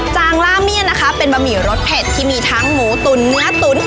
จางล่าเมียนะคะเป็นบะหมี่รสเผ็ดที่มีทั้งหมูตุ๋นเนื้อตุ๋น